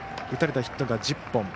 打たれたヒットが１０本。